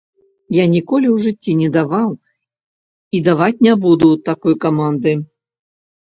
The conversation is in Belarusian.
Я ніколі ў жыцці не даваў і даваць не буду такой каманды.